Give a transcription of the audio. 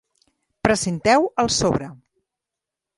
Precinteu el sobre.